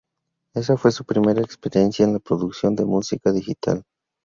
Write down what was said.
Ésa fue su primera experiencia en la producción de música digital.